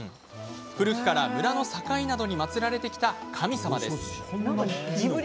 古くから村の境などに祭られてきた神様です。